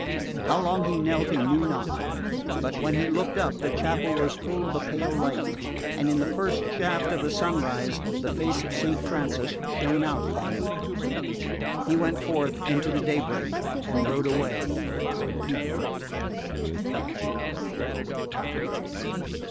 How long he knelt he knew not; but when he looked up the chapel was full of a pale light, and in the first shaft of the sunrise the face of Saint Francis shone out on him...He went forth into the daybreak and rode away toward Piedmont.